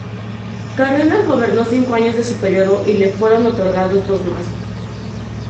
Cárdenas gobernó cinco años de su periodo y le fueron otorgados dos más.